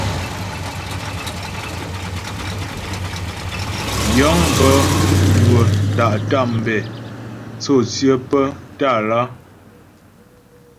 Yə̂ŋ bə́ nwə́ tá’ tambɛ̂ tsô tsyə́ pə́ Tâlá.